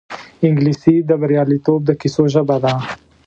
انګلیسي د بریالیتوب د کیسو ژبه ده